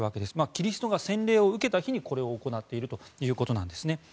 キリストが洗礼を受けた日にこれを行っているということなんですね。